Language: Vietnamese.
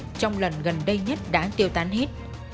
các tổ công tác lần gần đây nhất đã tiêu tán hết